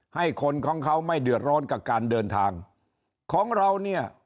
ให้คนของเขาไม่เดือดร้อนกับการเดินทางของเราเนี่ย